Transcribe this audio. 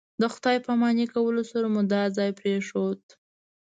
د خدای پاماني کولو سره مو دا ځای پرېښود.